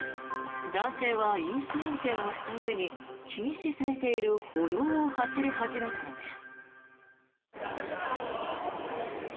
男性は飲酒運転をしたうえに禁止されている歩道を走り始めたのです。